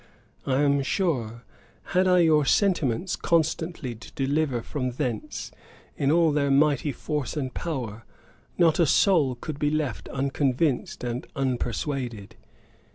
I am sure, had I your sentiments constantly to deliver from thence, in all their mighty force and power, not a soul could be left unconvinced and unpersuaded.'